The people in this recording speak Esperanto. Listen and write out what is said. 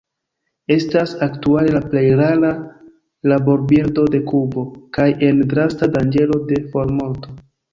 Estas aktuale la plej rara rabobirdo de Kubo, kaj en drasta danĝero de formorto.